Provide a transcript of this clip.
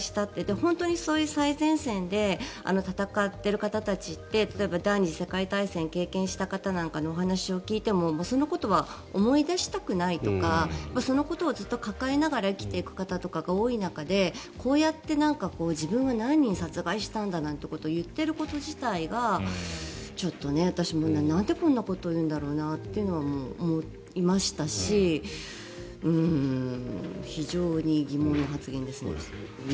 本当にそういう最前線で戦っている方たちって例えば第２次世界大戦を経験した方に話を聞いてもそのことは思い出したくないとかそのことをずっと抱えながら生きていく方が多い中でこうやって自分は何人殺害したんだなんてことを言ってること自体がちょっと私もなんでこういうことを言うんだろうと思いましたし非常に疑問な発言ですね。